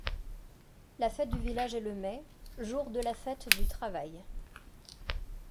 La fête du village est le mai, jour de la fête du travail.